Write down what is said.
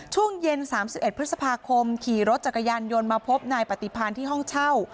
ช่วงเย็น๓๑พฤษภาคมขี่รถจักรยานยนต์มาพบนายปฏิพันธ์ที่ห้องเช่า